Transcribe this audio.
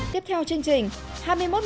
tiếp theo chương trình